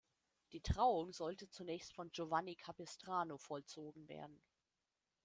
Die Trauung sollte zunächst von Giovanni Capistrano vollzogen werden.